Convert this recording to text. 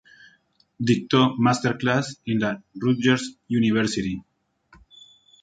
Dictó Master Class en la Rutgers University.